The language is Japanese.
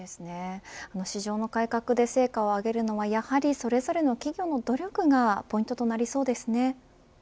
市場の改革で成果をあげるのはやはり、それぞれの企業の努力がポイントとなりそうですね。